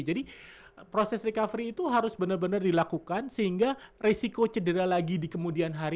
jadi proses recovery itu harus benar benar dilakukan sehingga resiko cedera lagi di kemudian hari